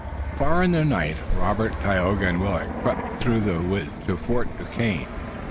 Far in the night, Robert, Tayoga and Willet crept through the woods to Fort Duquesne.